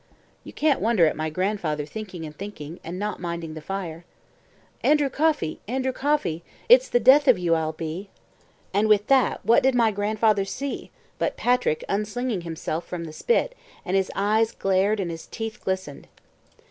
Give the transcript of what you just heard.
You can't wonder at my grandfather thinking and thinking and not minding the fire. "ANDREW COFFEY, ANDREW COFFEY, IT'S THE DEATH OF YOU I'LL BE." And with that what did my grandfather see, but Patrick unslinging himself from the spit and his eyes glared and his teeth glistened.